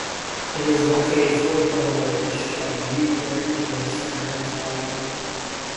It is located four kilometres from Newport in the centre of the island.